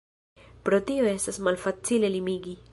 Pro tio estas malfacile limigi.